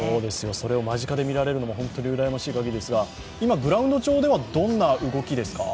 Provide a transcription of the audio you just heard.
それを間近で見られるのもうらやましい限りですが、今、グラウンド上ではどんな動きですか？